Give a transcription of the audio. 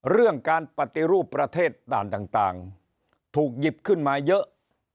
เรื่องการปฏิรูปประเทศด่านต่างถูกหยิบขึ้นมาเยอะ